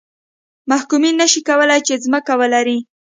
محکومین نه شي کولای چې ځمکه ولري.